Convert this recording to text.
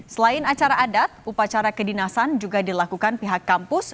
selain acara adat upacara kedinasan juga dilakukan pihak kampus